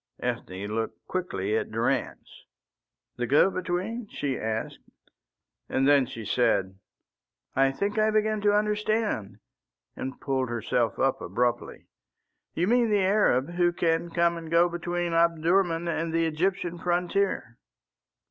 Ethne looked quickly at Durrance. "The go between?" she asked, and then she said, "I think I begin to understand," and pulled herself up abruptly. "You mean the Arab who can come and go between Omdurman and the Egyptian frontier?"